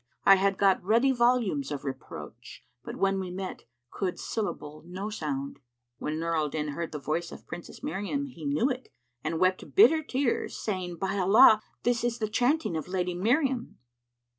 I had got ready volumes of reproach; * But when we met, could syllable no sound." When Nur al Din heard the voice of Princess Miriam, he knew it and wept bitter tears, saying, "By Allah, this is the chanting of the Lady Miriam."